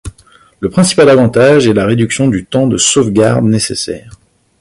Le principal avantage est la réduction du temps de sauvegarde nécessaire.